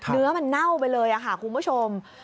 เนื้อมันเน่าไปเลยค่ะคุณผู้ชม